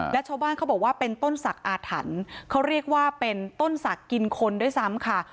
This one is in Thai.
และชาวบ้านเขาบอกว่าเป็นต้นศักดิ์อาถรรพ์เขาเรียกว่าเป็นต้นศักดิ์กินคนด้วยซ้ำค่ะ